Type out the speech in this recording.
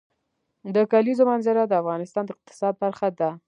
د کلیزو منظره د افغانستان د اقتصاد برخه ده.